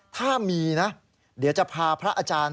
ถ้ามีนะเดี๋ยวจะพาพระอาจารย์